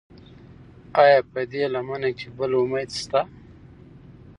ایا په دې لمنه کې بل امید شته؟